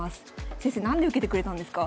先生何で受けてくれたんですか？